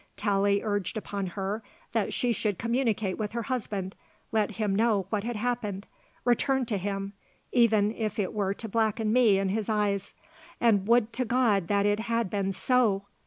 Tallie urged upon her that she should communicate with her husband, let him know what had happened, return to him even if it were to blacken me in his eyes and would to God that it had been so!